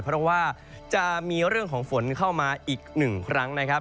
เพราะว่าจะมีเรื่องของฝนเข้ามาอีกหนึ่งครั้งนะครับ